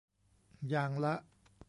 อย่างละ